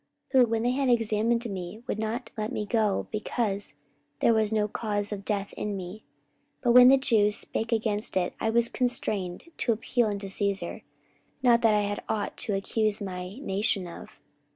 44:028:018 Who, when they had examined me, would have let me go, because there was no cause of death in me. 44:028:019 But when the Jews spake against it, I was constrained to appeal unto Caesar; not that I had ought to accuse my nation of.